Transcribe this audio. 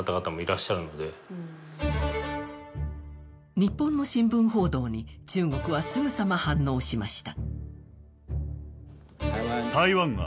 日本の新聞報道に中国はすぐさま反応しました。